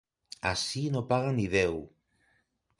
Ací no paga ni Déu!